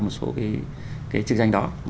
một số cái chức danh đó